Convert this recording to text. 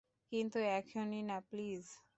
কিন্তু এখনই না প্লিজ।